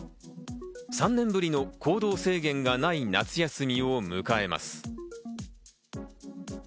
３年ぶりの行動制限がない夏休みを迎えます。